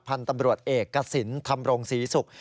พันธุ์ตำรวจเอกกระสินทำโรงศรีสุข